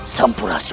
pergi ke penjajaran